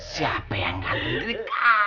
siapa yang ganti rumpah